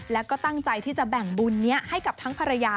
แล้วก็ตั้งใจที่จะแบ่งบุญนี้ให้กับทั้งภรรยา